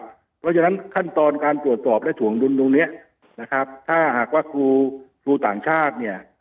เพราะฉะนั้นขั้นตอนการตรวจสอบและถวงดุลตรงเนี้ยนะครับถ้าหากว่าครูครูต่างชาติเนี่ย